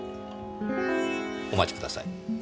お待ちください。